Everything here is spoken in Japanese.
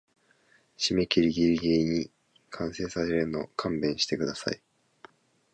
締切ギリギリに完成させるの勘弁してください